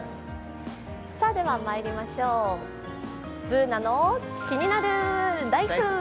ではまいりましょう、「ＢｏｏｎａのキニナルＬＩＦＥ」。